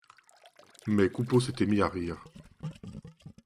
Mais Coupeau s'était mis à rire.